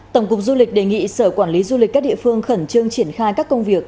tổng cục du lịch đề nghị sở quản lý du lịch các địa phương khẩn trương triển khai các công việc